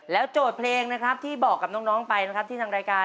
แล้วโจทย์เพลงที่บอกกับน้องไปที่ทางรายการ